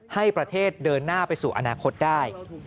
ให้ประเทศเดินหน้าไปสู่อนาคตได้